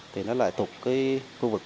thì nó lại tục cái khu vực